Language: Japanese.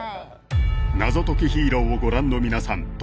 はい謎ときヒーローをご覧の皆さん